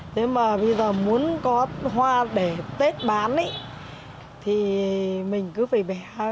thế mà bây giờ muốn có hoa để tết bán thì mình cứ phải vẻ